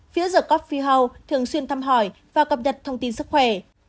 phía the coffee house thường xuyên thăm hỏi và cập nhật thông tin sức khỏe